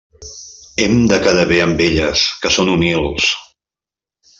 Hem de quedar bé amb elles, que són humils.